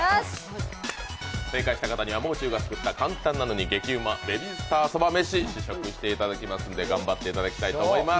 正解した方には、もう中が作った簡単なのに激うま、ベビースターそばめし試食していただきますので頑張っていただきたいと思います。